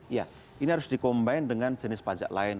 iya ini harus dikombain dengan jenis pajak lain